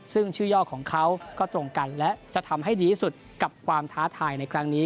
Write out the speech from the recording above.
ซึ่งชื่อย่อของเขาก็ตรงกันและจะทำให้ดีที่สุดกับความท้าทายในครั้งนี้